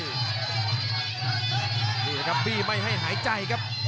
นี่ครับบี้ไม่ให้หายใจครับ